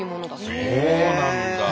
そうなんだ。